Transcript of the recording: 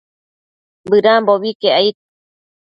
Bëdambobi iquec aid